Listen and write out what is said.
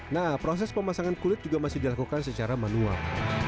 nah proses pemasangan kulit juga masih dilakukan secara manual